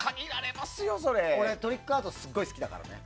俺、トリックアートがすごい好きだから。